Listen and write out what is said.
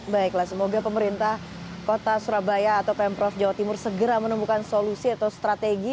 baiklah semoga pemerintah kota surabaya atau pemprov jawa timur segera menemukan solusi atau strategi